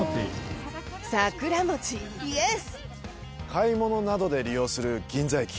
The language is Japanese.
買い物などで利用する銀座駅。